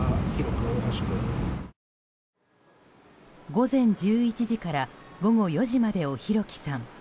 午前１１時から午後４時までを弘輝さん